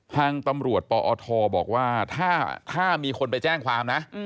ทางตำรวจปอทบอกว่าถ้ามีคนไปแจ้งความนะ